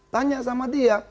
tanya sama dia